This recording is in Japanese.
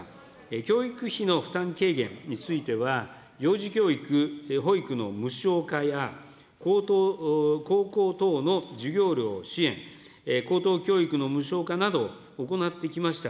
教育費の負担軽減については、幼児教育、保育の無償化や、高校等の授業料支援、高等教育の無償化など、行ってきました。